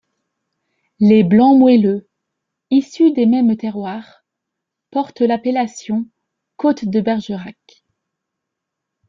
Les blancs moelleux, issus des mêmes terroirs, portent l'appellation Côtes de Bergerac.